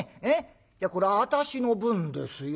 いやこれ私の分ですよ。